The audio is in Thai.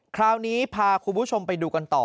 คราวนี้พาคุณผู้ชมไปดูกันต่อ